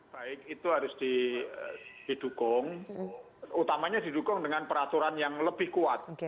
baik itu harus didukung utamanya didukung dengan peraturan yang lebih kuat